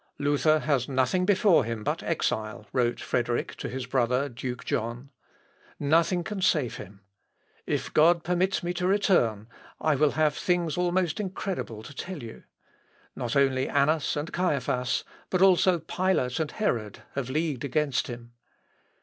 "Luther has nothing before him but exile," wrote Frederick to his brother, Duke John. "Nothing can save him. If God permits me to return, I will have things almost incredible to tell you. Not only Annas and Caiaphas, but also Pilate and Herod, have leagued against him."